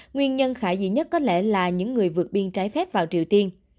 nguyên nhân khả dĩ nhất có lẽ là những người vượt biên trái phép vào triều tiên